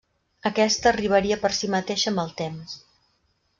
Aquesta arribaria per si mateixa amb el temps.